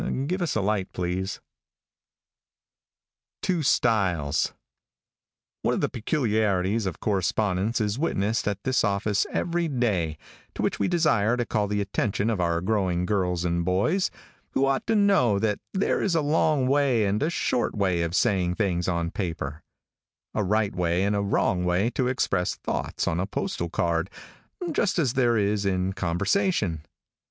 (Give us a light, please.) TWO STYLES. |ONE of the peculiarities of correspondence is witnessed at this office every day, to which we desire to call the attention of our growing girls and boys, who ought to know that there is a long way and a short way of saying things on paper; a right way and a wrong way to express thoughts on a postal card, just as there is in conversation.